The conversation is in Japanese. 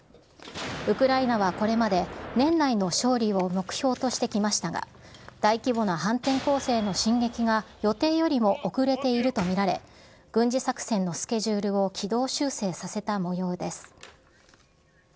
ウクライナはこれまで、年内の勝利を目標としてきましたが、大規模な反転攻勢の進撃が予定よりも遅れていると見られ、軍事作戦のスケジュールを軌道修正させたもようです。